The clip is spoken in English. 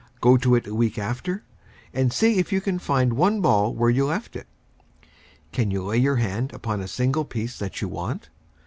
Go to it a week after, and see if you can find one ball where you left it! Can you lay your hand upon a single piece that you want?